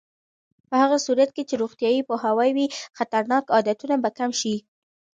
په هغه صورت کې چې روغتیایي پوهاوی وي، خطرناک عادتونه به کم شي.